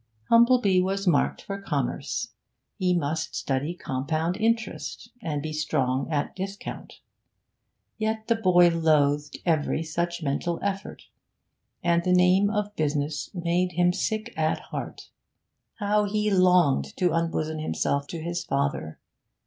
Humplebee was marked for commerce; he must study compound interest, and be strong at discount. Yet the boy loathed every such mental effort, and the name of 'business' made him sick at heart. How he longed to unbosom himself to his father!